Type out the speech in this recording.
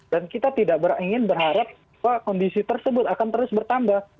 dan kita tidak ingin berharap bahwa kondisi tersebut akan terus bertambah